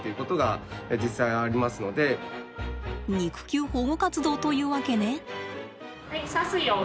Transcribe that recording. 肉球保護活動というわけね。